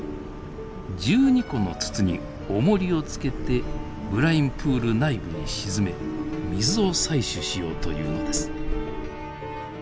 １２個の筒におもりを付けてブラインプール内部に沈め水を採取しようというのです。